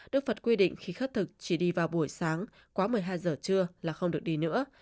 đức phật quy định khi khất thực chỉ đi vào buổi sáng quá một mươi hai giờ trưa là không được đi nữa